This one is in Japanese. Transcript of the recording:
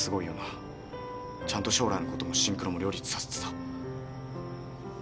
ちゃんと将来のこともシンクロも両立させてさ。